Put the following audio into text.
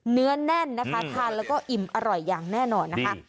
เนื้อแน่นนะคะทานแล้วก็อิ่มอร่อยอย่างแน่นอนนะคะ